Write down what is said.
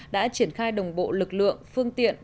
đã triển khai đồng bộ lực lượng phương tiện